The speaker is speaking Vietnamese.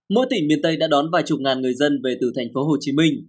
mỗi tỉnh miền tây đã đón vài chục ngàn người dân về từ thành phố hồ chí minh